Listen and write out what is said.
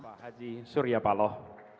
pak haji surya paloh